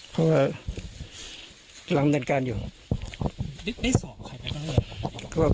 เพราะว่ากำลังบันการอยู่นึกได้สอบใครบ้าง